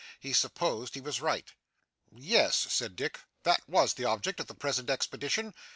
He supposed he was right? 'Yes,' said Dick, 'that was the object of the present expedition.